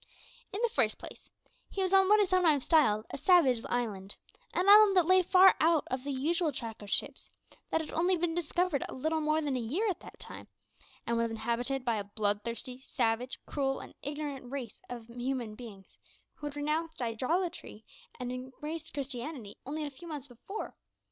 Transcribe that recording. In the first place, he was on what is sometimes styled a "savage island" an island that lay far out of the usual track of ships, that had only been discovered a little more than a year at that time, and was inhabited by a blood thirsty, savage, cruel, and ignorant race of human beings, who had renounced idolatry and embraced Christianity only a few months before.